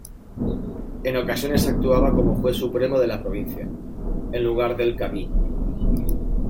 En ocasiones actuaba como juez supremo de la provincia, en lugar del cadí.